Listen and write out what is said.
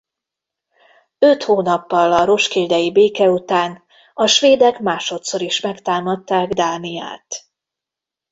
Öt hónappal a roskildei béke után a svédek másodszor is megtámadták Dániát.